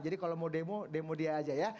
jadi kalau mau demo demo dia aja ya